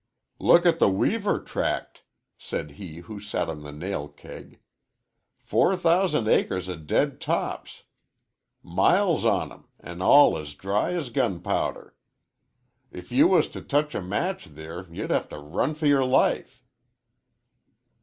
"Look at the Weaver tract," said he who sat on the nail keg. "Four thousand acres o' dead tops miles on 'em an' all as dry as gunpowder. If you was t' touch a match there ye'd have to run fer yer life."